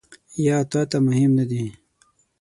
یا تا ته مهم نه دي ؟